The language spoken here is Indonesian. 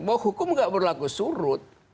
bahwa hukum tidak berlaku surut